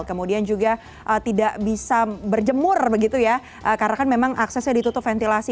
kemudian juga tidak bisa berjemur begitu ya karena kan memang aksesnya ditutup ventilasi